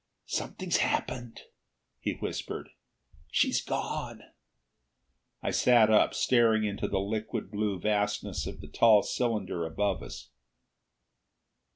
"Something's happened!" he whispered. "She's gone!" I sat up, staring into the liquid blue vastness of the tall cylinder above us.